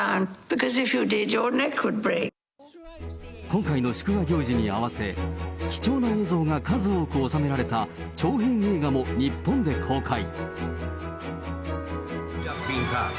今回の祝賀行事に合わせ、貴重な映像が数多く収められた長編映画も、日本で公開。